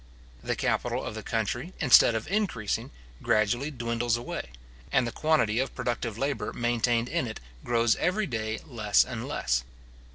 The capital of the country, instead of increasing, gradually dwindles away, and the quantity of productive labour maintained in it grows every day less and less.